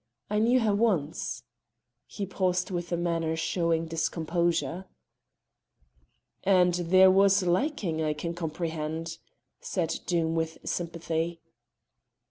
I knew her once." He paused with a manner showing discomposure. "And there was liking; I can comprehend," said Doom with sympathy.